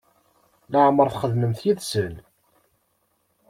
Laɛmeṛ i txedmemt yid-sen?